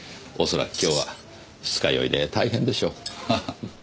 恐らく今日は二日酔いで大変でしょう。